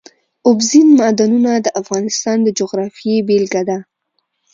اوبزین معدنونه د افغانستان د جغرافیې بېلګه ده.